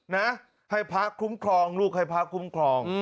นะให้พระคุ้มครองลูกให้พระคุ้มครอง